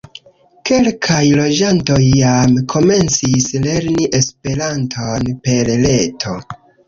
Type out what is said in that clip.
Kelkaj loĝantoj jam komencis lerni Esperanton per reto.